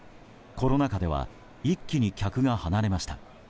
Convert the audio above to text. コロナ禍では一気に客が離れました。